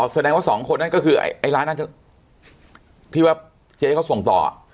แสดงว่าสองคนนั้นก็คือไอ้ร้านนั้นที่ว่าเจ๊เขาส่งต่อ